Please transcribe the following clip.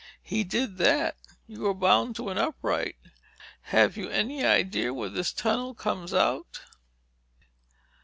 "He did that. You were bound to an upright. Have you any idea where this tunnel comes out?"